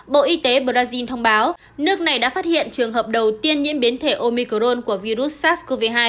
bộ y tế brazil thông báo nước này đã phát hiện trường hợp đầu tiên nhiễm biến thể omicron của virus sars cov hai